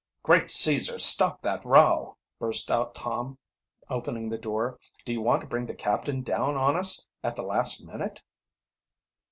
"Great Caesar, stop that row!" burst out Torn, opening the door. "Do you want to bring the captain down on us at the last minute?"